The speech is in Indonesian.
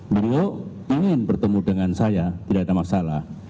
beliau ingin bertemu dengan saya tidak ada masalah